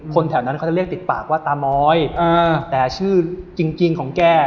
คนแถวนั้นเขาจะเรียกติดปากว่าตามอยเออแต่ชื่อเกี่ยวจริงจริงของแก